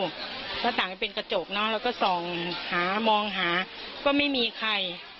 หน้าต่างเป็นกระจกเนอะแล้วก็ส่องหามองหาก็ไม่มีใคร